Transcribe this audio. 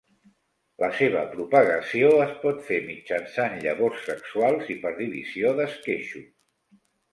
La seva propagació es pot fer mitjançant llavors sexuals i per divisió d'esqueixos.